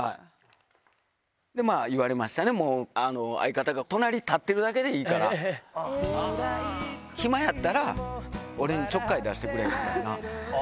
で、まあ言われましたね、もう、相方が隣立ってるだけでいいから、ひまやったら、俺にちょっかい出してくれ。